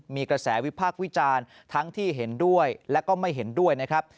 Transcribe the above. มีกระแสวิพากษ์วิจารณ์ทั้งที่เห็นด้วยและก็ไม่เห็นด้วยนะครับ